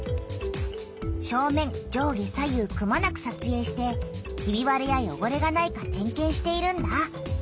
正面上下左右くまなくさつえいしてひびわれやよごれがないか点けんしているんだ。